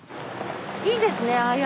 いいですねああ